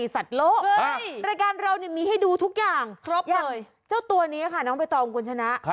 รายการเรามีให้ดูทุกอย่างครบเลยเจ้าตัวนี้ค่ะน้องใบตองคุณชนะ